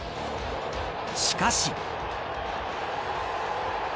しかし。